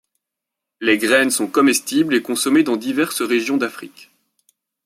Les graines sont comestibles et consommées dans diverses régions d’Afrique.